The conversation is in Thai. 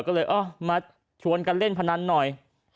ก็เลยมาชวนกันเล่นพนันหน่อย